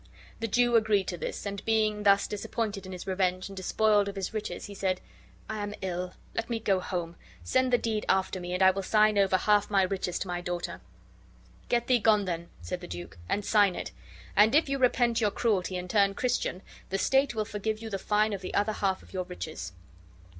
The Jew agreed to this; and being thus disappointed in his revenge and despoiled of his riches, he said: "I am ill. Let me go home. Send the deed after me, and I will sign over half my riches to my daughter." "Get thee gone, then," said the duke, "and sign it; and if you repent your cruelty and turn Christian, the state will forgive you the fine of the other half of your riches."